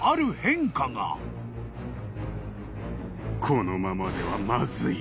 このままではまずい。